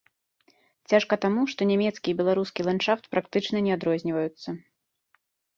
Цяжка таму, што нямецкі і беларускі ландшафт практычна не адрозніваюцца.